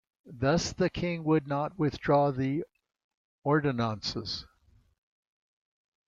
Thus, the King would not withdraw the "ordonnances".